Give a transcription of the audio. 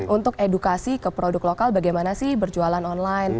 untuk edukasi ke produk lokal bagaimana sih berjualan online